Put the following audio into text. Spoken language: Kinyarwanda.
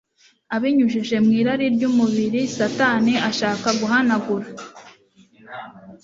Abinyujije mw’irari ry’umubiri, Satani ashaka guhanagura